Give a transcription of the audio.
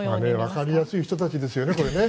わかりやすい人たちですよね。